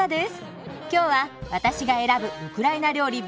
今日は私が選ぶウクライナ料理